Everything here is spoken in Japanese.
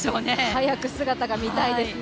早く姿が見たいですね。